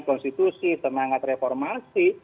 konstitusi semangat reformasi